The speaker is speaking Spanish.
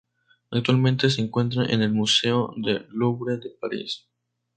Actualmente se encuentra en el Museo del Louvre de París.